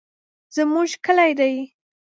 زمونږ کلي دي.